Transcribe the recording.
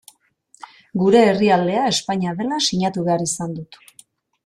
Gure herrialdea Espainia dela sinatu behar izan dut.